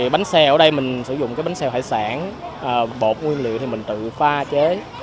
bánh xèo ở đây mình sử dụng bánh xèo hải sản bột nguyên liệu mình tự pha chế